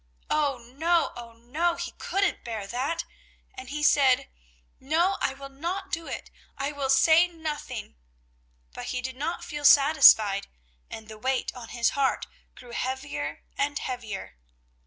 Oh, no! Oh, no! he couldn't bear that, and he said: "No, I will not do it! I will say nothing!" But he did not feel satisfied, and the weight on his heart grew heavier and heavier.